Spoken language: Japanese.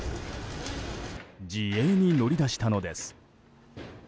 自衛に乗り出したのです。